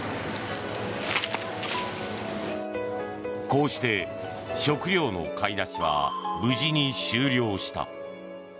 こうして食料の買い出しは無事に終了した。